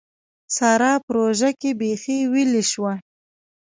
سارا په روژه کې بېخي ويلې شوه.